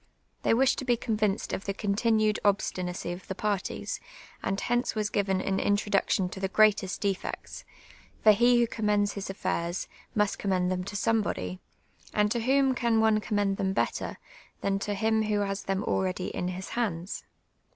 They wished to be convinced of the continued obstinacy of the parties, and hence was «;iven an introduction to the j^^reatest defects, for he who commends his afiairs, must commi'iid them to somebody, and to whom can one commend them better, than to him who has them already in his hands